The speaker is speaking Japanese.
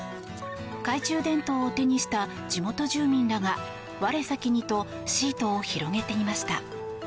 懐中電灯を手にした地元住民らが我先にとシートを広げていました。